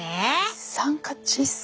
一酸化窒素。